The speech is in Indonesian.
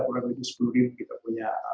program itu sepuluh ribu kita punya